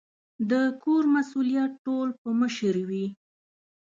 د کور مسؤلیت ټول په مشر وي